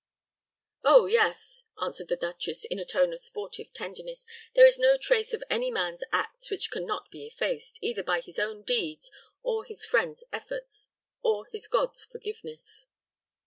"Oh, yes," answered the duchess, in a tone of sportive tenderness; "there is no trace of any of man's acts which can not be effaced, either by his own deeds, or his friend's efforts, or his God's forgiveness."